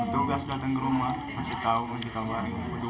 tugas datang ke rumah masih tahu masih kabar